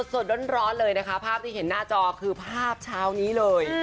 สดร้อนเลยนะคะภาพที่เห็นหน้าจอคือภาพเช้านี้เลย